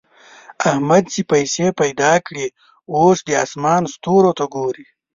احمد چې پيسې پیدا کړې؛ اوس د اسمان ستورو ته ګوري.